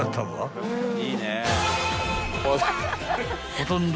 ［ほとんど］